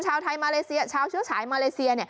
ชาวไทยมาเลเซียชาวเชื้อฉายมาเลเซีย